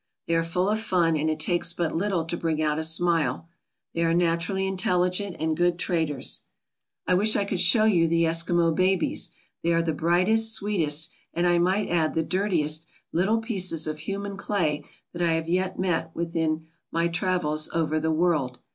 They are full of fun and it takes but little to bring out a smile. They are naturally intelligent and good traders. I wish I could show you the Eskimo babies. They are the brightest, sweetest, and I might add the dirtiest, little pieces of human clay that I have yet met with in my travels over the world.